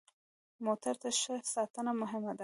موټر ته ښه ساتنه مهمه ده.